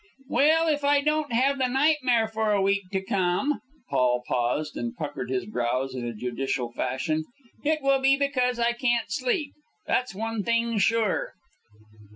"Well, if I don't have the nightmare for a week to come" Paul paused and puckered his brows in judicial fashion "it will be because I can't sleep, that's one thing sure!"